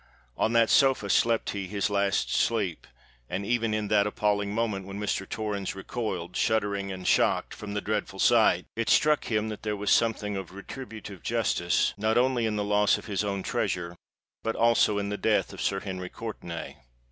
On that sofa slept he his last sleep; and, even in that appalling moment when Mr. Torrens recoiled, shuddering and shocked, from the dreadful sight, it struck him that there was something of retributive justice not only in the loss of his own treasure but also in the death of Sir Henry Courtenay!